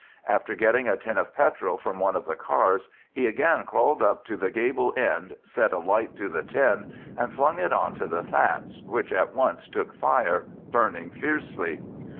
After getting a tin of petrol from one of the cars, he again crawled up to the gable end, set a light to the tin, and flung it on to the thatch, which at once took fire, burning fiercely.